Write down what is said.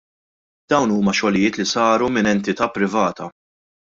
Dawn huma xogħlijiet li saru minn entita' privata.